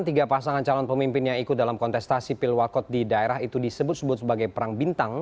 tiga pasangan calon pemimpin yang ikut dalam kontestasi pilwakot di daerah itu disebut sebut sebagai perang bintang